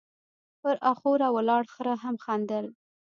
، پر اخوره ولاړ خره هم خندل،